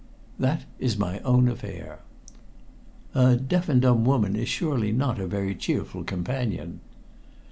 "That is my own affair." "A deaf and dumb woman is surely not a very cheerful companion!"